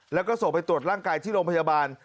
แล้วก็ส่งไปตรวจร่างกายที่โรงพยาบาล